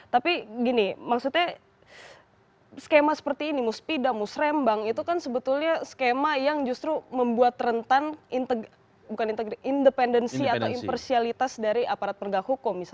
tapi gini maksudnya skema seperti ini muspida musrembang itu kan sebetulnya skema yang justru membuat rentan bukan independensi atau impersialitas dari aparat penegak hukum